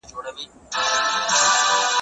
بانکونو د خلګو سپما په سمه توګه مديريت کړه.